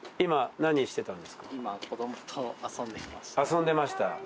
遊んでました。